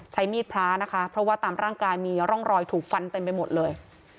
ใช้มีดพระนะคะเพราะว่าตามร่างกายมีร่องรอยถูกฟันเต็มไปหมดเลย